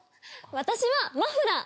私はマフラー。